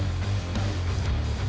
seri hati bang